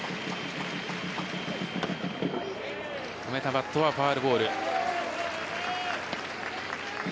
止めたバットはファウルボール。